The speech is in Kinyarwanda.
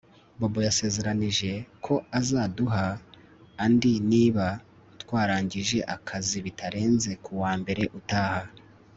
Bobo yasezeranije ko azaduha andi niba twarangije akazi bitarenze kuwa mbere utaha